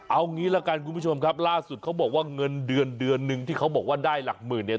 เอางี้ละกันคุณผู้ชมครับล่าสุดเขาบอกว่าเงินเดือนเดือนนึงที่เขาบอกว่าได้หลักหมื่นเนี่ย